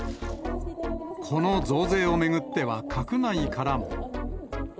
この増税を巡っては、閣内からも。